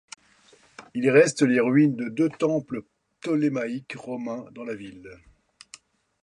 Il reste les ruines de deux temples ptolémaïque-romains dans la ville.